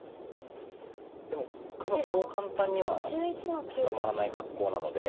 でも黒そう簡単には捕まらない格好なので。